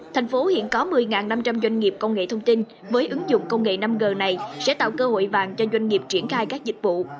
thành phố hiện có một mươi năm trăm linh doanh nghiệp công nghệ thông tin với ứng dụng công nghệ năm g này sẽ tạo cơ hội vàng cho doanh nghiệp triển khai các dịch vụ